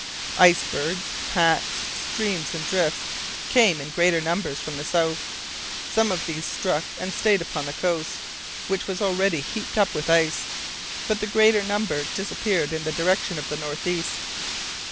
Icebergs, packs, streams, and drifts came in greater numbers from the south. Some of these struck and stayed upon the coast, which was already heaped up with ice, but the greater number disappeared in the direction of the north east.